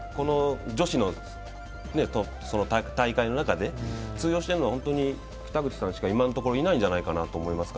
女子の大会の中で通用しているのは北口さんしか今のところいないんじゃないかと思います。